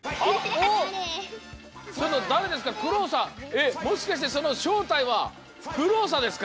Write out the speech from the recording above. えっもしかしてそのしょうたいはクローサですか？